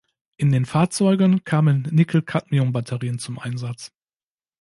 In den Fahrzeugen kamen Nickel-Cadmium-Batterien zum Einsatz.